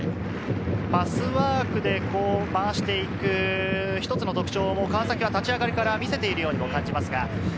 パスワークでまわしていく一つの特徴は、川崎は立ち上がりから見せているように感じます。